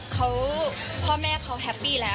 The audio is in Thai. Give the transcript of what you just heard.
เขาพ่อแม่เขาแฮปปี้แล้ว